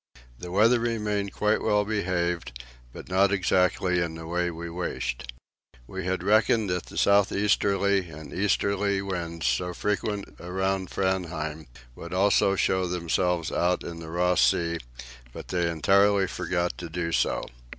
The weather remained quite well behaved, but not exactly in the way we wished. We had reckoned that the south easterly and easterly winds, so frequent around Framheim, would also show themselves out in Ross Sea, but they entirely forgot to do so.